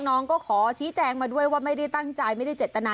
น้องก็ขอชี้แจงมาด้วยว่าไม่ได้ตั้งใจไม่ได้เจตนา